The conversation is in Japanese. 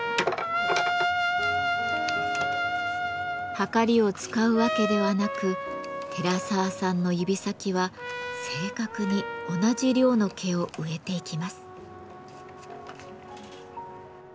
はかりを使うわけではなく寺沢さんの指先は正確に同じ量の毛を植えていきます。